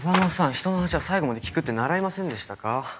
ひとの話は最後まで聞くって習いませんでしたか？